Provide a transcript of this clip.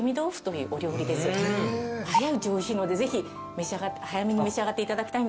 早いうちおいしいのでぜひ早めに召し上がっていただきたいんですが。